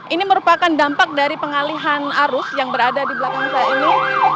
ini merupakan dampak dari pengalihan arus yang berada di belakang saya ini